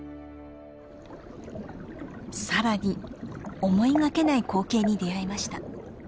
さらに思いがけない光景に出会いました。